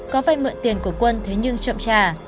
có vai mượn tiền của quân thế nhưng chậm trà